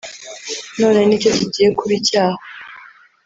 none ni cyo kigiye kuba icyaha